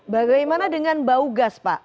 bagaimana dengan bau gas pak